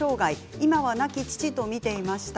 今は亡き父と見ていました。